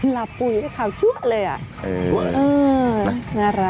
หลับปุ๊ยไม่คาวชั่วเลยอ่ะเอออือน่ารัก